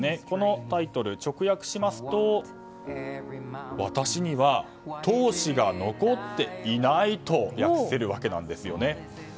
このタイトル、直訳しますと私には闘志が残っていないと訳せるわけなんです。